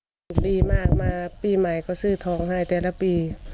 โชคดีมากมาปีใหม่เขาซื้อทองให้แต่ละปี